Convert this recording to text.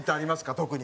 特に。